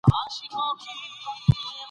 کتابتونونه د علم خزانې دي.